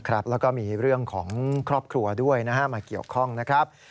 แล้วก็มีเรื่องของครอบครัวด้วยมาเกี่ยวข้องนะครับ